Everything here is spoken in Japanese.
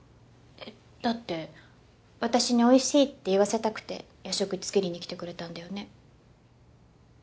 えっだって私に「おいしい」って言わせたくて夜食作りに来てくれたんだよね？